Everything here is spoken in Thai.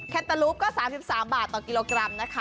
แตเตอร์ลูปก็๓๓บาทต่อกิโลกรัมนะคะ